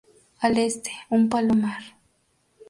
Al este, un palomar.